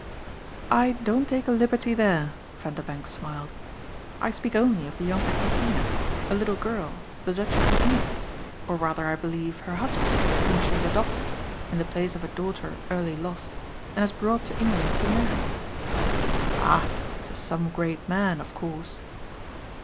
"I don't take a liberty there," Vanderbank smiled: "I speak only of the young Agnesina, a little girl, the Duchess's niece, or rather I believe her husband's, whom she has adopted in the place of a daughter early lost and has brought to England to marry." "Ah to some great man of course!"